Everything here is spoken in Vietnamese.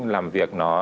làm việc nó